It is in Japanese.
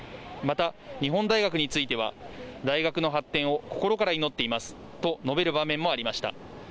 また日本大学については、大学の発展を心から祈っていますと述べる場面もありました。